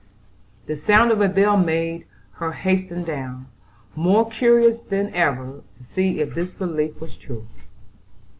The sound of a bell made her hasten down, more curious than ever to see if this belief was true.